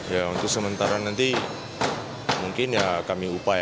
ya untuk sementara nanti mungkin ya kami upayakan